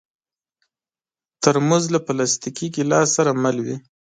ترموز له پلاستيکي ګیلاس سره مل وي.